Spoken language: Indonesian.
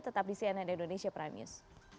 tetap di cnn indonesia prime news